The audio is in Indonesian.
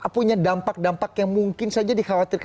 punya dampak dampak yang mungkin saja dikhawatirkan